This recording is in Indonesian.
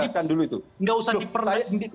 kita tegaskan dulu itu